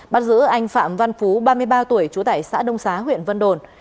bắt giữ anh phạm văn phú ba mươi ba tuổi trú tại xã đông xá huyện vân đồn